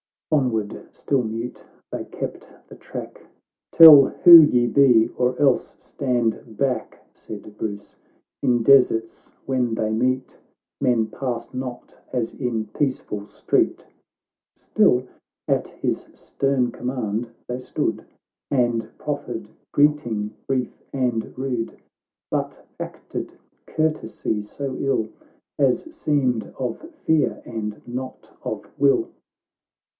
xx Onward, still mute, they kept the track ;—" Tell who ye be, or else stand back," Said Bruce ;" In deserts when they meet, Men pass not as in peaceful street." — Still, at his stern command, they stood, And proffered greeting brief and rude, But acted courtesy so ill, As seemed of fear, and not of will.